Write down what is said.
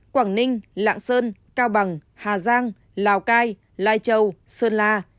quảng ninh lạng sơn cao bằng hà giang lào cai lai châu sơn la